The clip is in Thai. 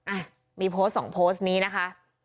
อ่ะมีโพสต์สองโพสต์นี้นะคะ